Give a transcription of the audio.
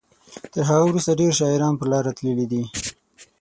تر هغه وروسته ډیر شاعران پر لاره تللي دي.